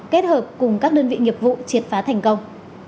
kết hợp cùng các đơn vị nghiệp vụ triệt phá thành công